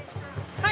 はい！